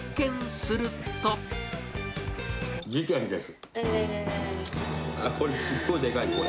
すっごいでかい！